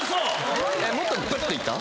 もっとプッ！といった？